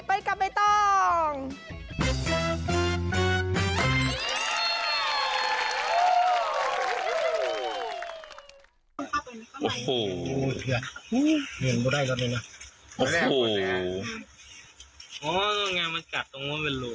ไปกับไม่ต้อง